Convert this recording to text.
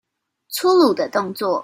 粗魯的動作